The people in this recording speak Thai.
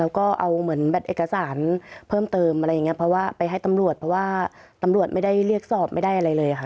แล้วก็เอาเหมือนแบบเอกสารเพิ่มเติมอะไรอย่างเงี้เพราะว่าไปให้ตำรวจเพราะว่าตำรวจไม่ได้เรียกสอบไม่ได้อะไรเลยค่ะ